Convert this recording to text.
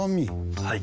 はい。